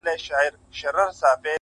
د سترگو توري په کي به دي ياده لرم؛